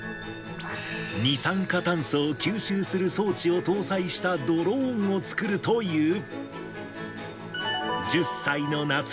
二酸化炭素を吸収する装置を搭載したドローンを作るという。